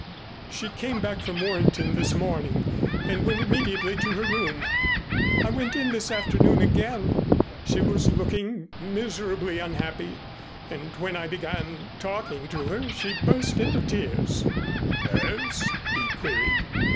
She came back from Warrenton this morning and went immediately to her room. I went in this afternoon again. She was looking miserably unhappy, and when I began talking to her she burst into tears " "Nerves?" he queried.